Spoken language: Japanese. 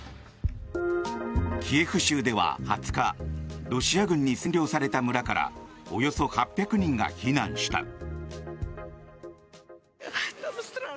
キエフ州では、２０日ロシア軍に占領された村からおよそ８００人が避難した。